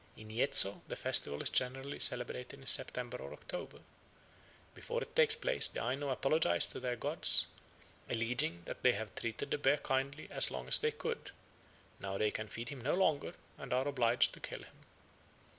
In Yezo the festival is generally celebrated in September or October. Before it takes place the Aino apologise to their gods, alleging that they have treated the bear kindly as long as they could, now they can feed him no longer, and are obliged to kill him.